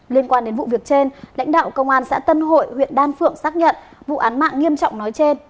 liên quan đến vụ việc trên lãnh đạo công an xã tân hội huyện đan phượng xác nhận vụ án mạng nghiêm trọng nói trên